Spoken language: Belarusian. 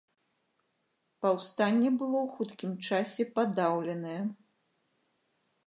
Паўстанне было ў хуткім часе падаўленае.